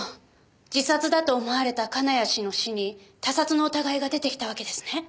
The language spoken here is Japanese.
自殺だと思われた金谷氏の死に他殺の疑いが出てきたわけですね。